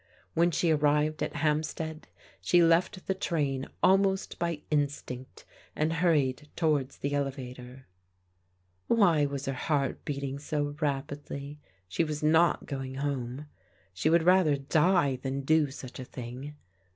When she arrived at Hampstead she left the train almost by instinct, and hurried towards the elevator. Why was her heart beating so rapidly? She was not going home. She would rather die than do such a thing.